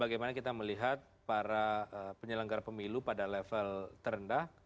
bagaimana kita melihat para penyelenggara pemilu pada level terendah